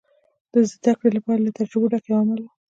د زدهکړې لپاره له تجربو ډک یو عمل و.